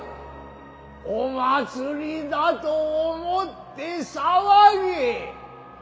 お祭りだと思って騒げ。